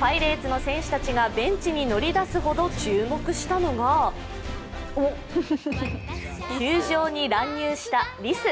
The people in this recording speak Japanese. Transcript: パイレーツの選手たちがベンチに乗り出すほど注目したのが球場に乱入したリス。